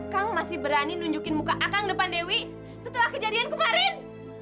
kang masih berani nunjukin muka akang depan dewi setelah kejadian kemarin